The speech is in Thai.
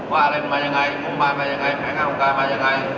โบราณมายังไงผลุญบาลมายังไง